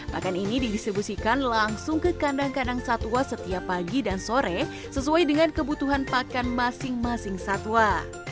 pakan ini didistribusikan langsung ke kandang kandang satwa setiap pagi dan sore sesuai dengan kebutuhan pakan masing masing satwa